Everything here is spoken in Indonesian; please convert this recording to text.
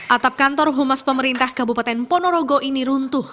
atap kantor humas pemerintah kabupaten ponorogo ini runtuh